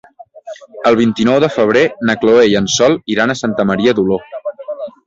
El vint-i-nou de febrer na Chloé i en Sol iran a Santa Maria d'Oló.